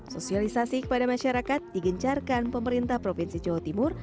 sosialisasi kepada masyarakat digencarkan pemerintah provinsi jawa timur